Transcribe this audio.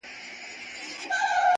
جانانه ولاړې اسماني سوې!!